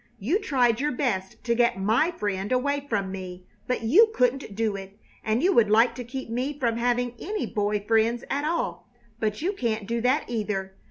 You tried your best to get my friend away from me, but you couldn't do it; and you would like to keep me from having any boy friends at all, but you can't do that, either.